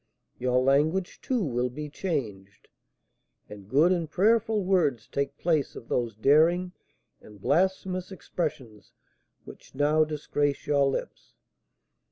Your language, too, will be changed, and good and prayerful words take place of those daring and blasphemous expressions which now disgrace your lips.